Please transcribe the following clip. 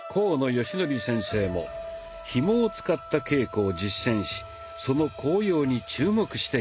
善紀先生もひもを使った稽古を実践しその効用に注目しています。